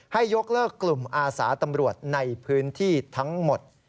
ยกเลิกกลุ่มอาสาตำรวจในพื้นที่ทั้งหมด